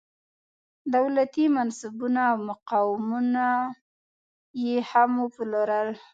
دولتي منصبونه او مقامونه یې هم وپلورل.